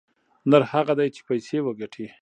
نر هغه دى چې پيسې وگټي.